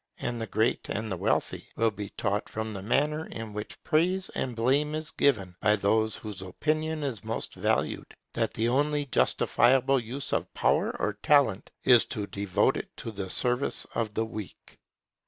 And the great and the wealthy will be taught from the manner in which praise and blame is given by those whose opinion is most valued, that the only justifiable use of power or talent is to devote it to the service of the weak.